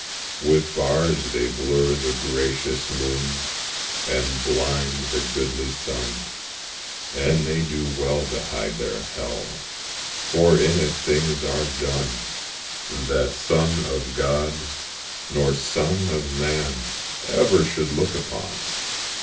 With bars they blur the gracious moon, And blind the goodly sun: And they do well to hide their Hell, For in it things are done That Son of God nor son of Man Ever should look upon!